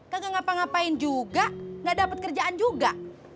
kagak ngapa ngapain juga gak dapat kerjaan juga